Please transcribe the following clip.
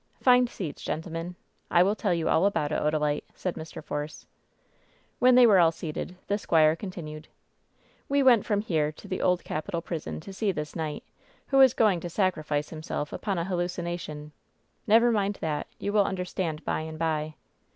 Find seats, gentlemen. I will tell you all about it, Odalite," said Mr. Force. When they were all seated, the squire continued : "We went from here to the Old Capitol prison, to see this knight, who was going to sacrifice himself upon a hallucination. Never mind that, you will understand by and by.